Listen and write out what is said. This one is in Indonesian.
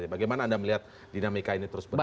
bagaimana anda melihat dinamika ini terus berjalan